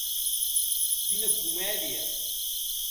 Quina comèdia!